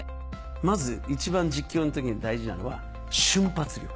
まず一番実況の時に大事なのは。